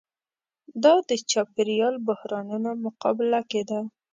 دا د چاپېریال بحرانونو مقابله کې ده.